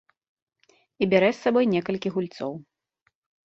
І бярэ з сабой некалькі гульцоў.